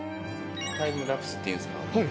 タイムラプスって言うんですか。